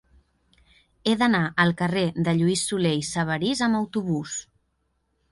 He d'anar al carrer de Lluís Solé i Sabarís amb autobús.